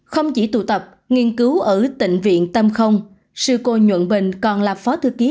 không chỉ tụ tập nghiên cứu ở bệnh viện tâm không sư cô nhuẩn bình còn là phó thư ký